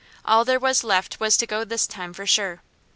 All there was left was to go this time, for sure.